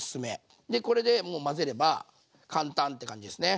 でこれでもう混ぜれば簡単って感じですね。